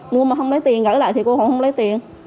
mua mà không lấy tiền gửi lại thì cô cũng không lấy tiền